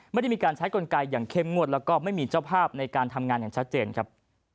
ไม่ได้มีการใช้กลไกอย่างเข้มงวดแล้วก็ไม่มีเจ้าภาพในการทำงานอย่างชัดเจนครับ